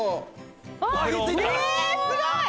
すごい。